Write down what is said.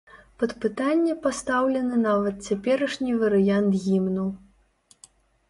Пад пытанне пастаўлены нават цяперашні варыянт гімну.